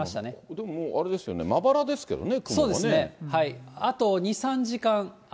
でももうあれですよね、まばらですけどね、雲はね。